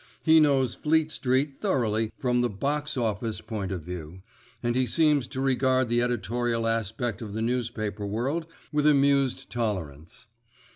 He knows Fleet Street thoroughly from the "box office" point of view, and he seems to regard the editorial aspect of the newspaper world with amused tolerance.